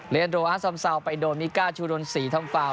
เรนโดอาร์สอมซาวไปโดนมิก้าชูโดนสี่ทำฟาว